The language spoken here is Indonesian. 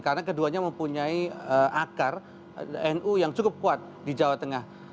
karena keduanya mempunyai akar nu yang cukup kuat di jawa tengah